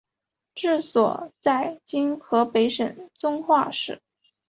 治所在今河北省遵化市。